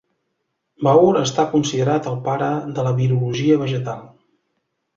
Baur està considerat el pare de la virologia vegetal.